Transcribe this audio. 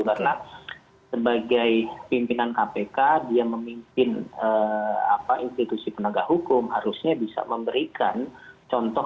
karena sebagai pimpinan kpk dia memimpin institusi penegak hukum harusnya bisa memberikan contoh